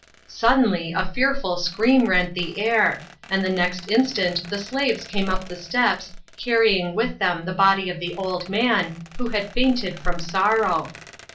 Suddenly a fearful scream rent the air, and the next instant the slaves came up the steps, carrying with them the body of the old man, who had fainted from sorrow!